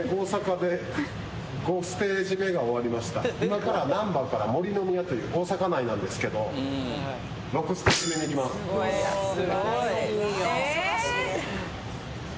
今から難波から森ノ宮という大阪内なんですけど６ステージ目に行きます。